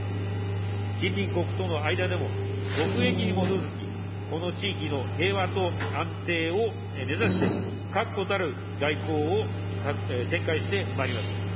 近隣国との間でも、国益に基づき、この地域の平和と安定を目指して、確固たる外交を展開してまいります。